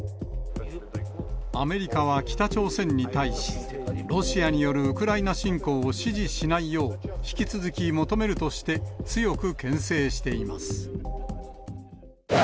アメリカは北朝鮮に対し、ロシアによるウクライナ侵攻を支持しないよう、引き続き求めるとして強くけん制しています。